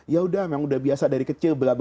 ya udah memang udah biasa dari kecil